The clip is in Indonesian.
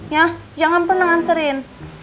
ya jangan pernah nganterin